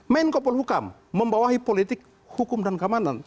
menko polhukam membawahi politik hukum dan keamanan